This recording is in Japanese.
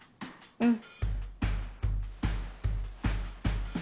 うん！